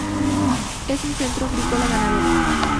Es un centro agrícola-ganadero.